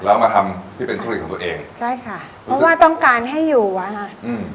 แล้วมาทำที่เป็นธุรกิจของตัวเองใช่ค่ะเพราะว่าต้องการให้อยู่อ่ะค่ะอืม